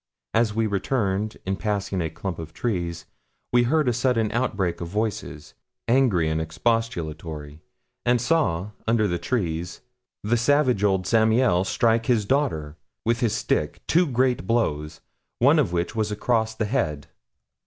As we returned, in passing a clump of trees, we heard a sudden outbreak of voices, angry and expostulatory; and saw, under the trees, the savage old Zamiel strike his daughter with his stick two great blows, one of which was across the head.